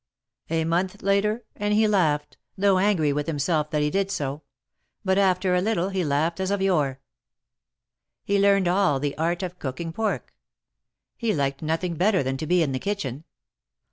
A month later, and he laughed, though angry with 68 THE MARKETS OF PARIS. himself that he did so ; but after a little he laughed as of yore. lie learned all the art of cooking pork ; he liked nothing better tlian to be in the kitchen.